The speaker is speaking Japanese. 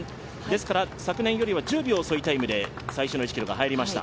昨年よりは１０秒遅いタイムで最初の１ｋｍは入りました。